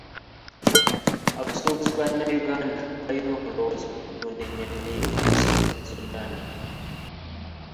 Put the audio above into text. Abasuubuzi bannayuganda balina okulowooza ku kutunda ennyama y'ente e South Sudan.